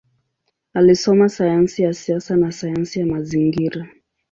Alisoma sayansi ya siasa na sayansi ya mazingira.